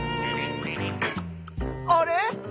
あれ？